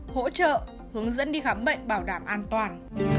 hỗ trợ hướng dẫn đi khám bệnh bảo đảm an toàn